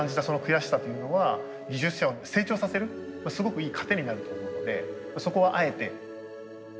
その悔しさというのは技術者を成長させるすごくいい糧になると思うのでそこはあえて。